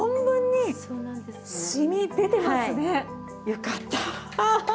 よかったあ。